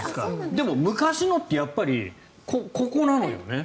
でも昔のってやっぱりここなのよね。